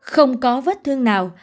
không có vết thương nào